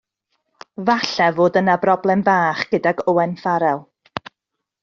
Falle fod yna broblem fach gydag Owen Farell.